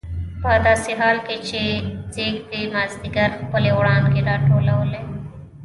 په داسې حال کې چې ځېږدي مازدیګر خپلې وړانګې راټولولې.